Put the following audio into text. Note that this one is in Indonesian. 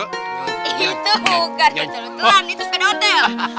itu bukan untel untelan itu sedotel